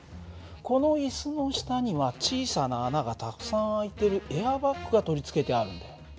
この椅子の下には小さな穴がたくさん開いてるエアバッグが取り付けてあるんだよ。